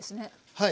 はい。